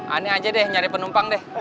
aneh aja deh nyari penumpang deh